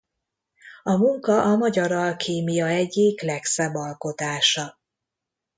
A munka a magyar alkímia egyik legszebb alkotása.